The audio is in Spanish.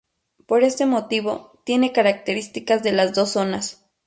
Por este motivo, tiene características de las dos zonas.